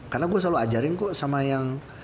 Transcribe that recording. karena gue selalu ajarin kok sama yang